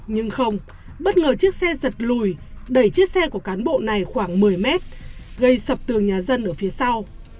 nhưng không bất ngờ chiếc xe giật lùi đẩy chiếc xe của cán bộ này khoảng một mươi mét gây sập tường nhà dân ở phía sau